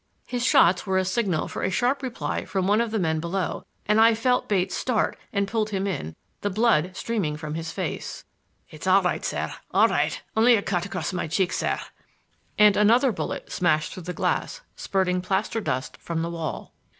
His shots were a signal for a sharp reply from one of the men below, and I felt Bates start, and pulled him in, the blood streaming from his face. "It's all right, sir,—all right,—only a cut across my cheek, sir,"—and another bullet smashed through the glass, spurting plaster dust from the wall.